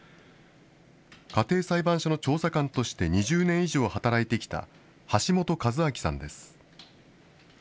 家庭裁判所の調査官として２０年以上働いてきた橋本和明さんです。